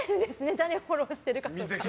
誰をフォローしてるかとか。